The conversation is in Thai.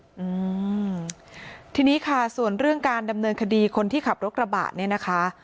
อืมทีนี้ค่ะส่วนเรื่องการดำเนินคดีคนที่ขับรถกระบะเนี่ยนะคะ